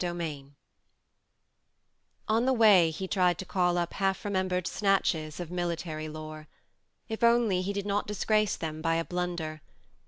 XI ON the way he tried to call up half remembered snatches of military lore. If only he did not disgrace them by a blunder